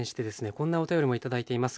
こんなお便りも頂いています。